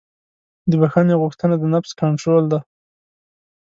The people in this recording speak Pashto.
د بښنې غوښتنه د نفس کنټرول دی.